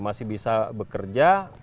masih bisa bekerja